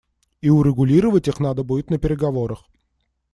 И урегулировать их надо будет на переговорах.